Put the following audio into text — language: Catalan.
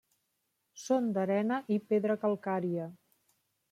Són d'arena i pedra calcària.